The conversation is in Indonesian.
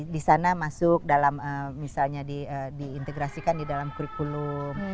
di sana masuk dalam misalnya diintegrasikan di dalam kurikulum